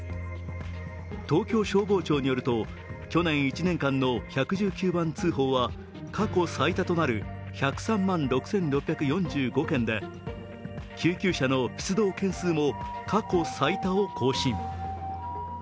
東京消防庁によると去年１年間の１１９番通報は過去最多となる１０３万６６４５件で、救急車の出動件数も過去最多を更新。